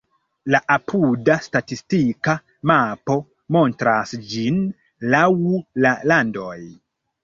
La apuda statistika mapo montras ĝin laŭ la landoj.